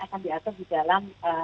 akan diatur di dalam